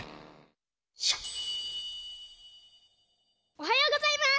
おはようございます！